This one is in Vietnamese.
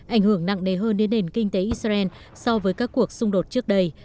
ảnh hưởng nặng đề hơn đến nền kinh tế israel so với các cuộc xung đột trước đây